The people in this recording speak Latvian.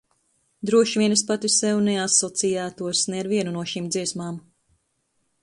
Droši vien es pati sev neasociētos ne ar vienu no šīm dziesmām.